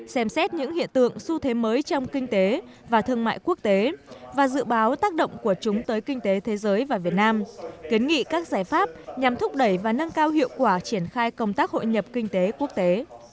xem xét những hiện tượng xu thế mới trong kinh tế và thương mại quốc tế và dự báo tác động của chúng tới kinh tế thế giới và việt nam kiến nghị các giải pháp nhằm thúc đẩy và nâng cao hiệu quả triển khai công tác hội nhập kinh tế quốc tế